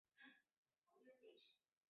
在都市却没有星星